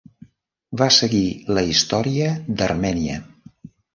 Va seguir la història d'Armènia.